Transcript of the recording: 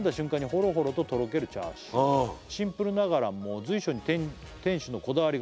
「ほろほろととろけるチャーシュー」「シンプルながらも随所に店主のこだわりが」